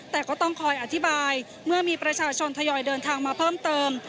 แต่ก็ต้องคอยอธิบายเมื่อมีประชาชนทยอยเดินทางมาเพิ่มเติม